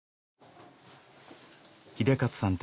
英捷さん